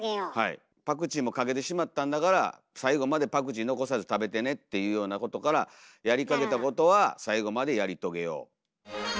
パクチーもかけてしまったんだから最後までパクチー残さず食べてねっていうようなことからやりかけたことは最後までやり遂げよう。